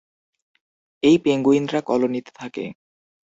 এই পেঙ্গুইনরা কলোনিতে থাকে।